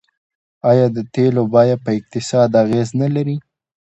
آیا د تیلو بیه په اقتصاد اغیز نلري؟